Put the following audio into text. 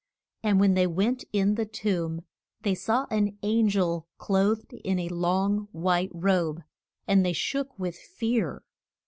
And when they went in the tomb, they saw an an gel clothed in a long white robe, and they shook with fear.